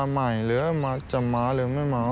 หรือจะมาหรือไม่มา